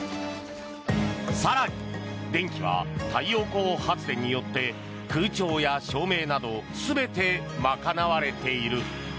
更に、電気は太陽光発電によって空調や照明など全て賄われている。